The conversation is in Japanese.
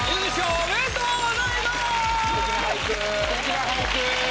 おめでとうございます。